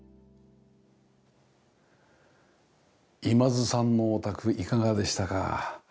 今津さんのお宅いかがでしたか？